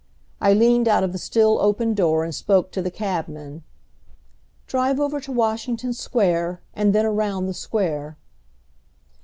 I leaned out of the still open door and spoke to the cabman. "Drive over to Washington Square, and then around the Square."